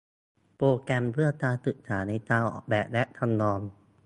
โปรแกรมเพื่อการศึกษาในการออกแบบและจำลอง